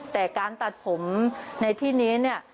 แต่การตัดผมในที่นี้เนี่ย